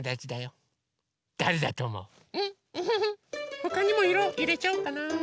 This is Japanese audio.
ほかにもいろいれちゃおっかな。